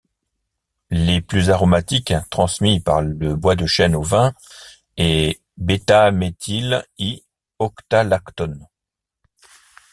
Les plus aromatiques transmis par le bois de chêne au vin est β-methyl-γ-octalactone.